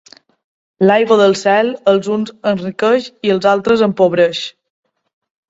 L'aigua del cel, els uns enriqueix i els altres empobreix.